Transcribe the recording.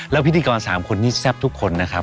แล้วพิธีกร๓คนนี้แซ่บทุกคนนะครับ